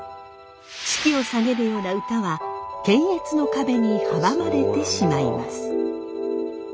士気を下げるような歌は検閲の壁に阻まれてしまいます。